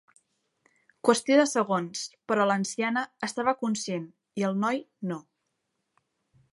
Qüestió de segons, però l'anciana estava conscient i el noi no.